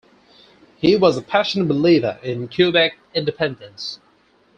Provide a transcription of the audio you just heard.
He was a passionate believer in Quebec independence.